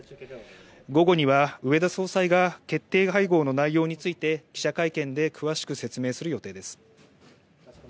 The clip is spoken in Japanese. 午後には植田総裁が決定会合の内容について記者会見で詳しく説明する予定です。